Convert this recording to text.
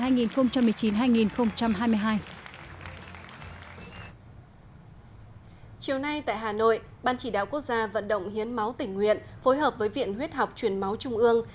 chiều nay tại hà nội ban chỉ đạo quốc gia vận động hiến máu tỉnh nguyện phối hợp với viện huyết học truyền máu trung ương